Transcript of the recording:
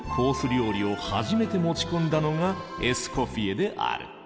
料理を初めて持ち込んだのがエスコフィエである。